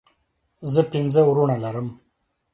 زه پنځه وروڼه لرم